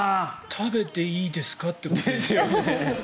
食べていいですかってことですよね。